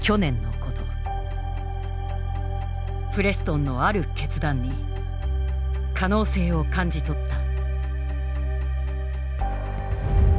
プレストンのある決断に可能性を感じ取った。